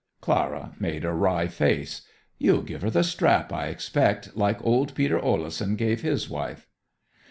Clara made a wry face. "You'll give her the strap, I expect, like old Peter Oleson gave his wife."